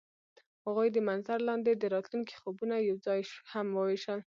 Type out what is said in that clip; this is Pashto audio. هغوی د منظر لاندې د راتلونکي خوبونه یوځای هم وویشل.